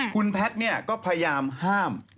แล้วคุณแพทย์เนี่ยก็พยายามห้าม